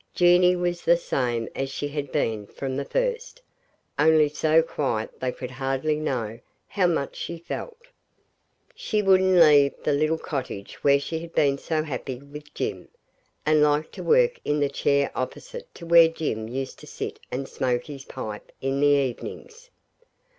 Jeanie was the same as she had been from the first, only so quiet they could hardly know how much she felt. She wouldn't leave the little cottage where she had been so happy with Jim, and liked to work in the chair opposite to where Jim used to sit and smoke his pipe in the evenings.